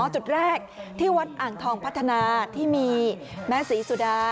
จุดแรกที่วัดอ่างทองพัฒนาที่มีแม่ศรีสุดา